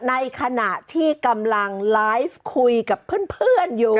ในขณะที่กำลังไลฟ์คุยกับเพื่อนอยู่